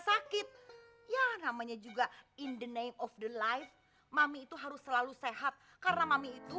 sakit ya namanya juga in the name of the life mami itu harus selalu sehat karena mami itu